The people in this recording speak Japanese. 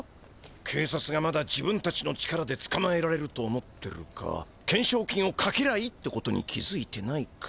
警察がまだ自分たちの力でつかまえられると思ってるか懸賞金をかけりゃいいってことに気づいてないか。